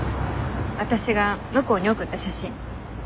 わたしが向こうに送った写真。